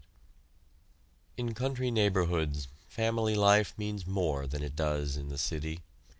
In country neighborhoods family life means more than it does in the city.